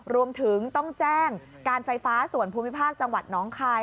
รวมถึงต้องแจ้งการไฟฟ้าส่วนภูมิภาคจังหวัดน้องคาย